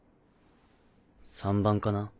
３番かな。